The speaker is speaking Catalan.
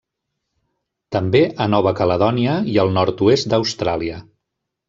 També a Nova Caledònia i al nord-oest d'Austràlia.